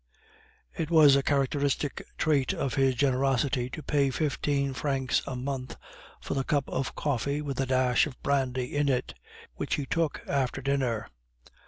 It was a characteristic trait of his generously to pay fifteen francs a month for the cup of coffee with a dash of brandy in it, which he took after dinner.